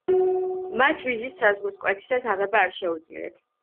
მათ ვიზის საზღვრის კვეთისას აღება არ შეუძლიათ.